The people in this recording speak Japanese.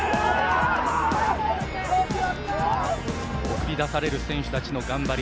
送り出される選手たちの頑張り。